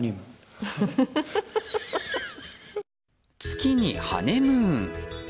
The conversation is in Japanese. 月にハネムーン。